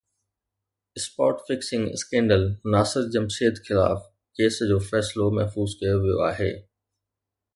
spot fixing scandal Nasir Jamshed خلاف case جو فيصلو محفوظ ڪيو ويو آهي